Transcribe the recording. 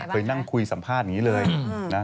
เคยนั่งคุยสัมภาษณ์อย่างนี้เลยนะ